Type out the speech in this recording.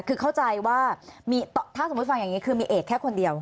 คือเข้าใจว่าถ้าสมมุติฟังอย่างนี้คือมีเอกแค่คนเดียว